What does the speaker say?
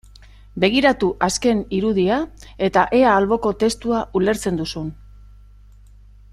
Begiratu azken irudia eta ea alboko testua ulertzen duzun.